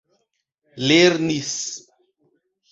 lernis